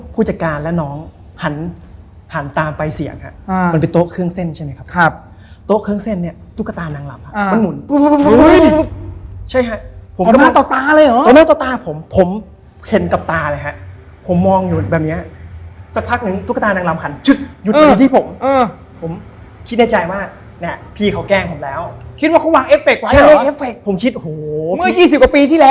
เป็นตุ๊กตานางรำแบบนี้ครับ